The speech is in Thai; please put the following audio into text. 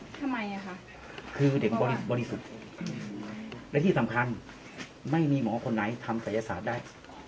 ทำไมอ่ะคะคือเด็กบริสุทธิ์และที่สำคัญไม่มีหมอคนไหนทำศัยศาสตร์ได้